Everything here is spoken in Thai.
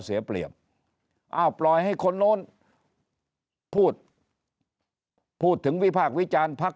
เสียเปรียบอ้าวปล่อยให้คนโน้นพูดพูดถึงวิพากษ์วิจารณ์พัก